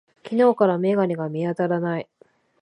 昨日から眼鏡が見当たらない。